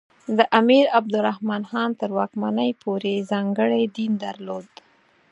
د امیر عبدالرحمان خان تر واکمنۍ پورې ځانګړی دین درلود.